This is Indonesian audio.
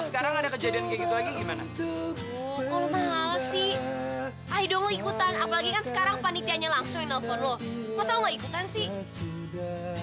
masa lo gak ikutan sih